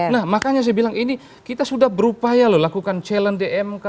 nah makanya saya bilang ini kita sudah berupaya lakukan challenge dmk